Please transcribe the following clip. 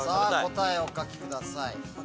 答えをお書きください。